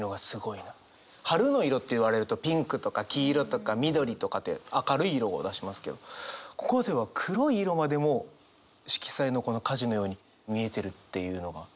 春の色って言われるとピンクとか黄色とか緑とかって明るい色を出しますけどここでは黒い色までも色彩のこの火事のように見えてるっていうのがすごいなあと思いました。